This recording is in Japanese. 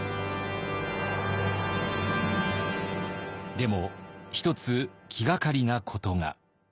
でも一つ気がかりなことが。